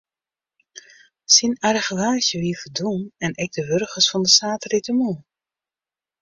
Syn argewaasje wie ferdwûn en ek de wurgens fan de saterdeitemoarn.